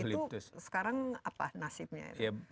itu sekarang apa